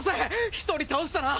１人倒したな。